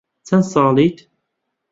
چەند ساڵیت؟